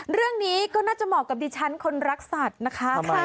เรื่องนี้ก็น่าจะเหมาะกับดิฉันคนรักสัตว์นะคะ